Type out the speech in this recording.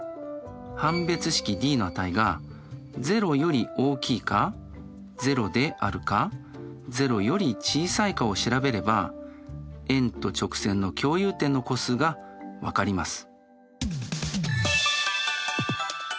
判別式Ｄの値が０より大きいか０であるか０より小さいかを調べれば円と直線の共有点の個数が分かります。